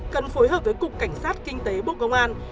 cần phối hợp với cục cảnh sát kinh tế bộ công an